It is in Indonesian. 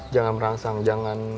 jangan merangsang jangan mancing